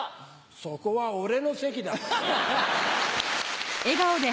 そこは俺の席だ。